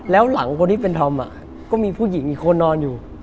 แล้วหลังคนที่เป็นธอมก็มีผู้หญิงอีกคนนอนอยู่